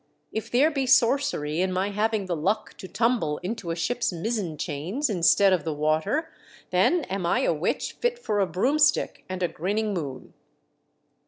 " If there be sorcery in my having the luck to tumble into a ship's mizzen chains instead of the water, then am I a witch fit for a broomstick and a grinning moon